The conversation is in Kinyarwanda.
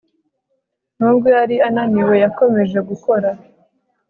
nubwo yari ananiwe, yakomeje gukora